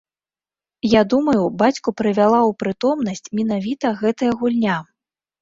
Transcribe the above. Я думаю, бацьку прывяла ў прытомнасць менавіта гэтая гульня.